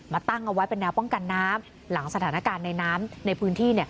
ตั้งเอาไว้เป็นแนวป้องกันน้ำหลังสถานการณ์ในน้ำในพื้นที่